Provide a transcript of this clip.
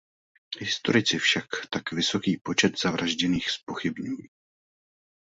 Historici však tak vysoký počet zavražděných zpochybňují.